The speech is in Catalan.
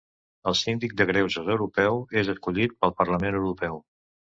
El síndic de greuges europeu és escollit pel Parlament Europeu.